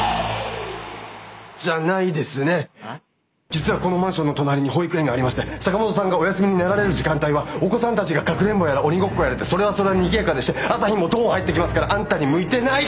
実はこのマンションの隣に保育園がありまして坂本さんがお休みになられる時間帯はお子さんたちがかくれんぼやら鬼ごっこやらでそれはそれはにぎやかでして朝日もドン入ってきますからあんたに向いてない！